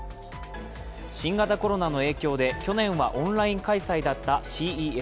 新型コロナの影響で去年はオンライン開催だったＣＥＳ。